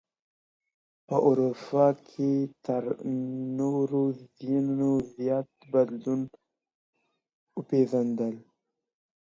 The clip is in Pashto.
په اروپا کي تر نورو ځايونو زيات بدلونونه وپنځېدل.